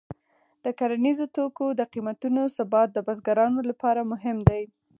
د کرنیزو توکو د قیمتونو ثبات د بزګرانو لپاره مهم دی.